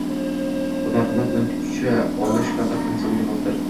va marhamat bilan kucha olish faqat insonga xosdir.